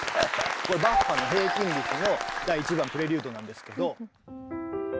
これバッハの「平均律」の第１番プレリュードなんですけど。